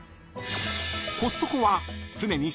［コストコは常に］